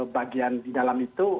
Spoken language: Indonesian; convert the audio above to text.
bagian di dalam itu